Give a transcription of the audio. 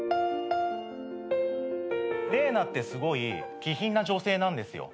「玲奈ってすごい気品な女性なんですよ」